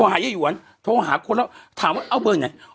หาย่าหวนโทรหาคนแล้วถามว่าเอาเบอร์ไหน